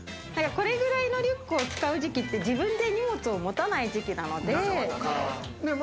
これくらいのリュックを使う時期って自分で荷物を持たない時期なので。